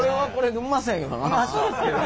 うまそうですけどね